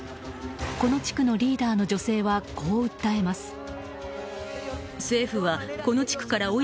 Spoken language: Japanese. この地区のリーダーの女性はこう訴えます。